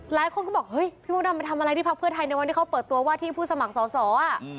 หลายคนก็บอกเฮ้ยพี่มดดำไปทำอะไรที่พักเพื่อไทยในวันที่เขาเปิดตัวว่าที่ผู้สมัครสอสอ